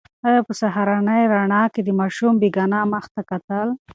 انا په سهارنۍ رڼا کې د ماشوم بې گناه مخ ته کتل.